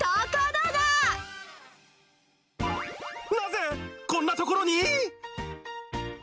なぜこんなところに？